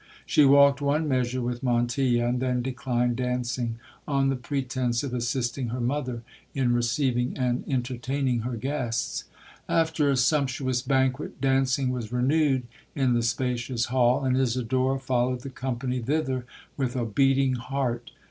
She walked one measure with Montilla, and then declined dancing on the pretence of assisting her mother in receiving and entertaining her guests. 'After a sumptuous banquet, dancing was renewed in the spacious hall, and Isidora followed the company thither with a beating heart.